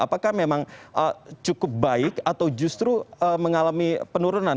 apakah memang cukup baik atau justru mengalami penurunan